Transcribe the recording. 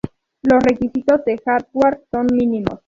Los requisitos de hardware son mínimos.